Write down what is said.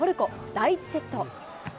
第１セット。